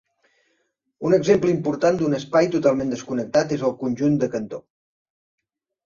Un exemple important d'un espai totalment desconnectat és el conjunt de Cantor.